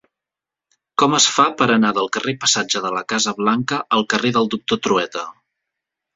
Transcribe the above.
Com es fa per anar del passatge de la Casa Blanca al carrer del Doctor Trueta?